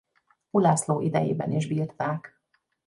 Ulászló idejében is bírták.